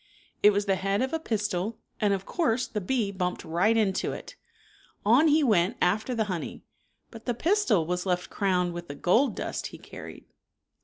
It was the head of a pistil, and of course the bee bumped right into it. On he went after the honey, but the pistil was left crowned with the gold dust he carried.